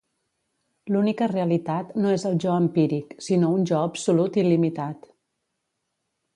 L'única realitat no és el jo empíric, sinó un Jo Absolut il·limitat.